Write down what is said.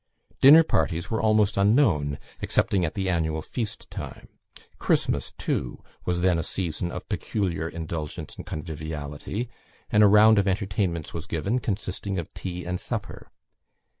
Dinner parties were almost unknown, excepting at the annual feast time. Christmas, too, was then a season of peculiar indulgence and conviviality, and a round of entertainments was given, consisting of tea and supper.